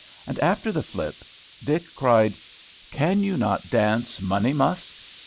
And, after the flip, Dick cried, "Can you not dance 'Money Musk'?"